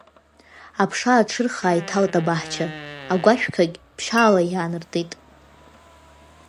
Аԥша аҽырхаа иҭалт абаҳча, агәашәқәагь ԥшьаала ианартит.